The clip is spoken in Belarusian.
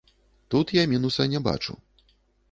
Тут я мінуса не бачу.